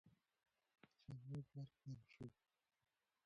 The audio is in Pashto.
ځواب ورکړل سو.